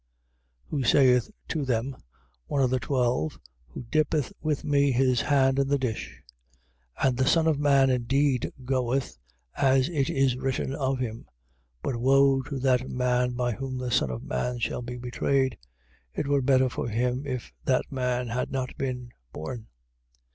14:20. Who saith to them: One of the twelve, who dippeth with me his hand in the dish. 14:21. And the Son of man indeed goeth, as it is written of him: but woe to that man by whom the Son of man shall be betrayed. It were better for him, if that man had not been born.